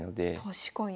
確かに。